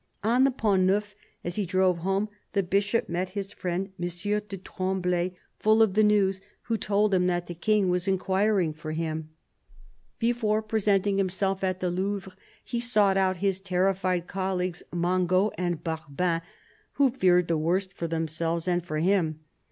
On the Pont Neuf, as he drove home, the Bishop met his friend M. du Tremblay, full of the news, who told him that the King was inquiring for him. Before presenting THE BISHOP OF LUgON 97 himself at the Louvre, he sought out his terrified colleagues, Mangot and Barbin, who feared the worst for themselves and for him.